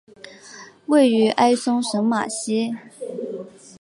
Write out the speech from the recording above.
位于埃松省马西。